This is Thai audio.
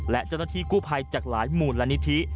และจนทธิคู่ภัยจากหลายหมู่ละนิทธิ